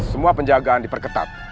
semua penjagaan diperketat